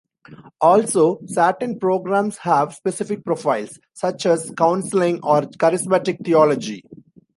Also, certain programs have specific profiles, such as counselling or charismatic theology.